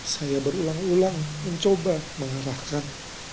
saya berulang ulang mencoba mengarahkan